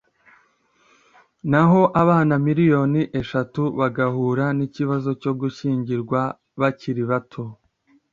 , naho abana miliyoni eshatu bagahura n’ikibazo cyo gushyingirwa bakiri bato.